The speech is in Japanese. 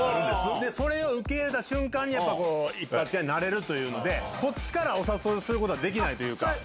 それを受け入れた瞬間に、やっぱこう、一発屋になれるというので、こっちからお誘いすることはできないというか。